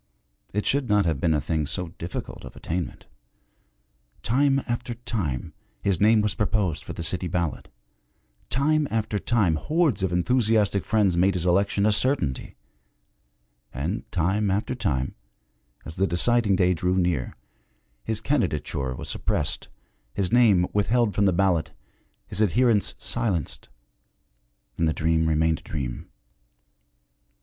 It should not have been a thing so difficult of attainment. Time after time his name was proposed for the city ballot; time after time hordes of enthusiastic friends made his election a certainty; and time after time, as the deciding day drew near, his candidature was suppressed, his name withheld from the ballot, his adherents silenced and the dream remained a dream.